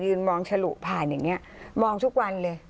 ยืนมองชะหรูภายอย่างนี้มองทุกวันเลย